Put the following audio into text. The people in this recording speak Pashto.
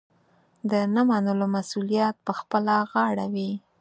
د نه منلو مسوولیت پخپله غاړه وي.